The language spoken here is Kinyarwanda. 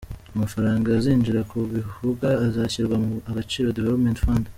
Amafaranga azinjira ku bibuga azashyirwa mu “Agaciro Development Fund” .